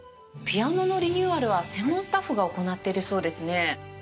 ピアノのリニューアルは専門スタッフが行っているそうですね。